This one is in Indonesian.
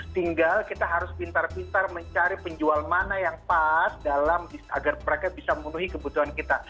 tinggal kita harus pintar pintar mencari penjual mana yang pas agar mereka bisa memenuhi kebutuhan kita